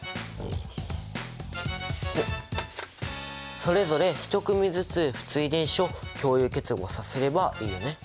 それぞれ１組ずつ不対電子を共有結合させればいいよね。